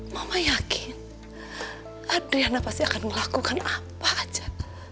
mama yakin adriana pasti akan melakukan apa aja